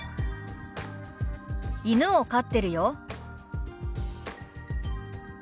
「犬を飼ってるよ」。